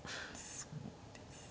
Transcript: そうです。